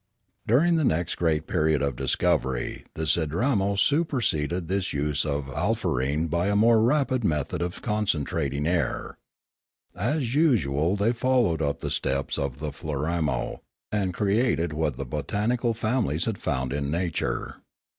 During the next great period of discovery the Sidramo superseded this use of alfarene by a more rapid method of concentrating air. As usual they followed up the steps of the Floraino, and created what the botanical families had found in nature.